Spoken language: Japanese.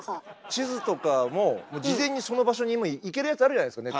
地図とかも事前にその場所に行けるやつあるじゃないですか